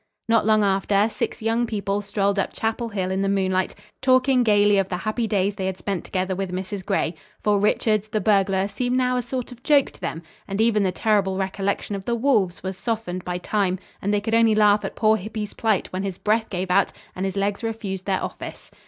Not long after, six young people strolled up Chapel Hill in the moonlight, talking gayly of the happy days they had spent together with Mrs. Gray; for Richards, the burglar, seemed now a sort of joke to them, and even the terrible recollection of the wolves was softened by time, and they could only laugh at poor Hippy's plight when his breath gave out and his legs refused their office.